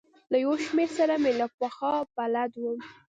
له یو شمېرو سره مې له پخوا بلد وم.